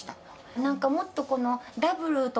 なんかもっとこの。